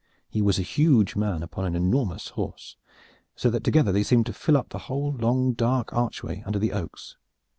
He was a huge man upon an enormous horse, so that together they seemed to fill up the whole long dark archway under the oaks.